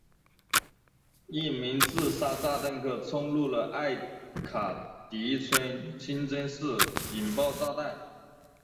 一名自杀炸弹客冲入了艾卡迪村清真寺引爆炸弹。